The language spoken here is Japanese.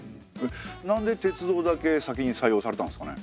なんで鉄道だけ先に採用されたんですかね？